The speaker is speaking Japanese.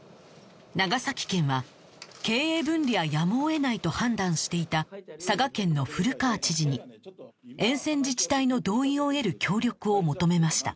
長崎県は経営分離はやむを得ないと判断していた佐賀県の古川知事に沿線自治体の同意を得る協力を求めました